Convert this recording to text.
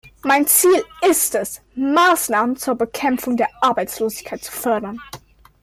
Mein Ziel ist es, Maßnahmen zur Bekämpfung der Arbeitslosigkeit zu fördern.